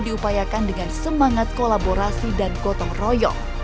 diupayakan dengan semangat kolaborasi dan gotong royong